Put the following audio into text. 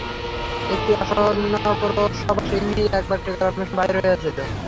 একটি আসন্নপ্রসবা সিংহী একবার শিকার-অন্বেষণে বাহির হইয়াছিল।